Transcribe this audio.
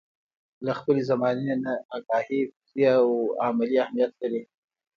له خپلې زمانې نه اګاهي فکري او عملي اهميت لري.